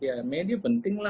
ya media pentinglah